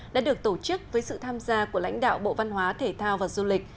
đã được tổ chức với sự tham gia của lãnh đạo bộ văn hóa thể thao và du lịch